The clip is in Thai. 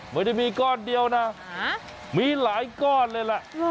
ไม่ได้มีก้อนเดียวนะมีหลายก้อนเลยแหละ